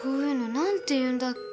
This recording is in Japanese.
何て言うんだっけ？